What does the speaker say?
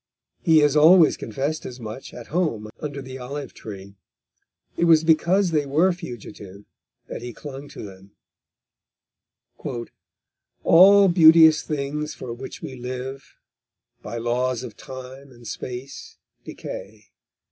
He has always confessed as much at home under the olive tree; it was because they were fugitive that he clung to them: _All beauteous things for which we live By laws of time and space decay.